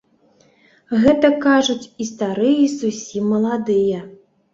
Гэтак кажуць і старыя й зусім маладыя.